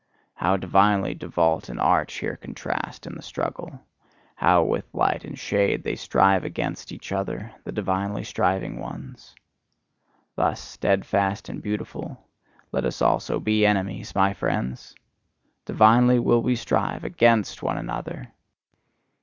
How divinely do vault and arch here contrast in the struggle: how with light and shade they strive against each other, the divinely striving ones. Thus, steadfast and beautiful, let us also be enemies, my friends! Divinely will we strive AGAINST one another!